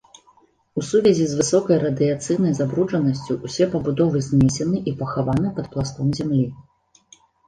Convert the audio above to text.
У сувязі з высокай радыяцыйнай забруджанасцю ўсе пабудовы знесены і пахаваны пад пластом зямлі.